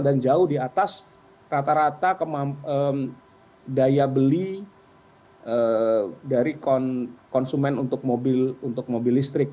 dan jauh di atas rata rata daya beli dari konsumen untuk mobil listrik